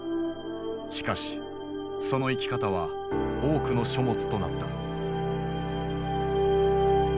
しかしその生き方は多くの書物となった。